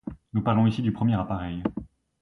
Nous parlerons ici du premier appareil.